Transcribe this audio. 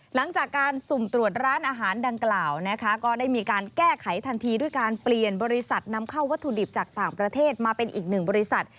หลังจากการสุ่มตรวจร้านอาหารดังกล่าวนะคะก็ได้มีการแก้ไขทันทีด้วยการเปลี่ยนบริษัทนำเข้าวัตถุดิบจากต่างประเทศมาเป็นอีกหนึ่งบริษัท